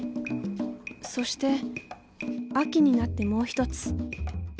そして秋になってもう一つ。